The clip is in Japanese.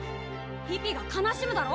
ピピが悲しむだろ！